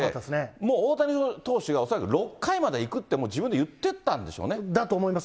もう大谷投手が、恐らく６回までいくって、だと思います。